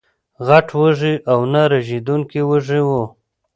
غټ وږي او نه رژېدونکي وږي وو